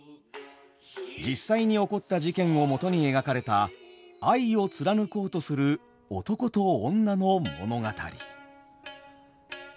実際に起こった事件をもとに描かれた愛を貫こうとする男と女の物語。